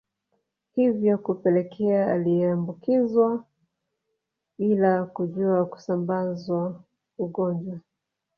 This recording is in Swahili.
Hivyo hupelekea aliyeambukizwa bila kujua kusambaza ugonjwa